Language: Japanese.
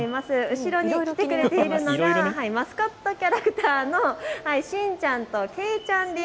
後ろに来てくれているのがマスコットキャラクターのしんちゃんとけいちゃんです。